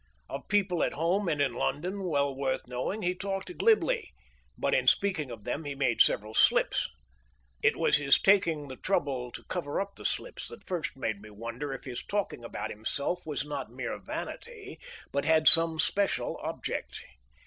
Of people at home and in London well worth knowing he talked glibly, but in speaking of them he made several slips. It was his taking the trouble to cover up the slips that first made me wonder if his talking about himself was not mere vanity, but had some special object.